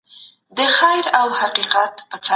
مثبت ذهن د پرمختګ لپاره انرژي ورکوي.